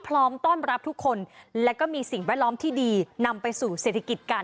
พร้อมต้อนรับทุกคนและก็มีสิ่งแวดล้อมที่ดีนำไปสู่เศรษฐกิจกัน